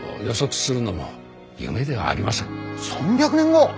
３００年後！？